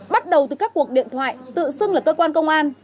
bắt đầu từ các cuộc điện thoại tự xưng là cơ quan công an